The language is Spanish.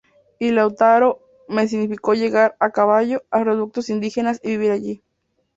Y "Lautaro" me significó llegar, a caballo, a reductos indígenas y vivir allí.